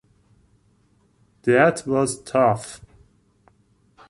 '-that was tough.